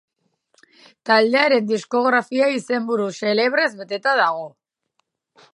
Taldearen diskografia izenburu xelebrez beteta dago.